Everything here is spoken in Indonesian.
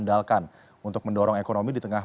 jadi terima kasih